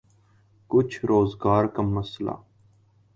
کچھ روزگار کا مسئلہ۔